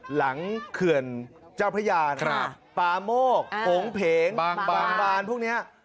เขื่อนเจ้าพระยาปาโมกโผงเพงบางบานพวกนี้